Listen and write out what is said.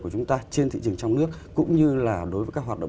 của chúng ta trên thị trường trong nước cũng như là đối với các hoạt động